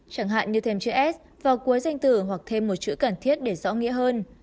chẳng hạn như thêm chữ s vào cuối danh tử hoặc thêm một chữ cần thiết để rõ nghĩa hơn